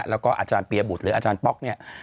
แล้วก็อาจารย์เปียบุตรหรืออาจารย์ป๊อกเนี่ย